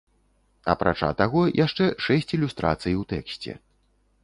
Апрача таго, яшчэ шэсць ілюстрацый у тэксце.